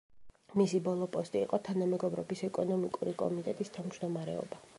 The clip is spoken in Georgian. მისი ბოლო პოსტი იყო თანამეგობრობის ეკონომიკური კომიტეტის თავმჯდომარეობა.